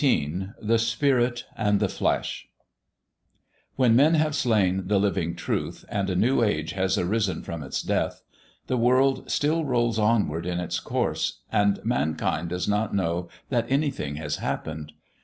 XVIII THE SPIRIT AND THE FLESH WHEN men have slain the Living Truth and a new age has arisen from its death, the world still rolls onward in its course and mankind does not know that anything has happened.